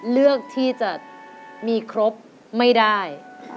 เลือกที่จะมีครบไม่ได้